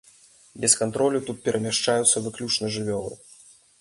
Без кантролю тут перамяшчаюцца выключна жывёлы.